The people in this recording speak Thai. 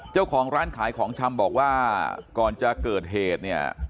เจ้าของร้านขายของชำบอกว่าก่อนจะเกิดเหตุเนี่ย